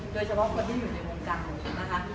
โดยเฉพาะคนที่อยู่ในวงการหนูนะคะ